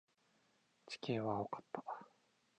地球は青かった。